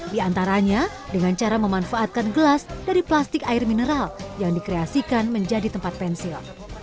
di antaranya dengan cara memanfaatkan gelas dari plastik air mineral yang dikreasikan menjadi tempat pensil